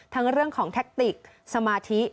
เรื่องของแท็กติกสมาธิ